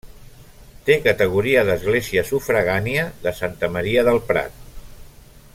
Té categoria d'església sufragània de Santa Maria del Prat.